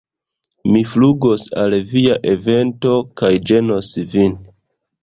Mi flugos al via evento kaj ĝenos vin!